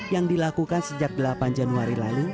yang dilakukan sejak delapan januari lalu